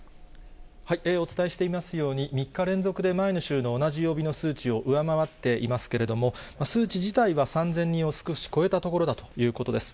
お伝えしていますように、３日連続で前の週の同じ曜日の数値を上回っていますけれども、数値自体は３０００人を少し超えたところだということです。